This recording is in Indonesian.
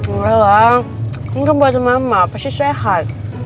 udah lah ini buat mama pasti sehat